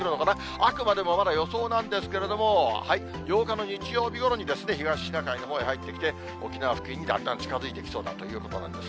あくまでもまだ予想なんですけれども、８日の日曜日ごろに東シナ海のほうへ入ってきて、沖縄付近にだんだん近づいてきそうだということなんです。